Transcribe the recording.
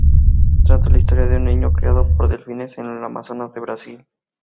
Trata la historia de un niño criado por delfines en el amazonas de Brasil.